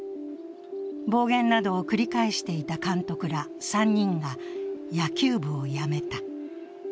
暴言などを繰り返していた監督ら３人が野球部を辞めた。